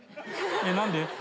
何で？